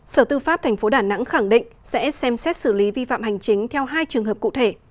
sở tư pháp tp đà nẵng khẳng định sẽ xem xét xử lý vi phạm hành chính theo hai trường hợp cụ thể